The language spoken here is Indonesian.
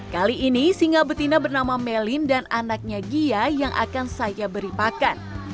kali ini singa betina bernama melin dan anaknya gia yang akan saya beri pakan